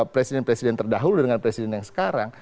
presiden presiden terdahulu dengan presiden yang sekarang